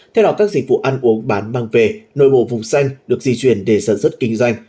theo đó các dịch vụ ăn uống bán mang về nội bộ vùng xanh được di chuyển để sản xuất kinh doanh